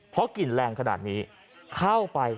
เพราะกลิ่นแรงขนาดนี้เข้าไป